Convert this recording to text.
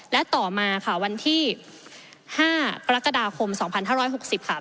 และต่อมาค่ะวันที่๕กรกฎาคม๒๕๖๐ค่ะ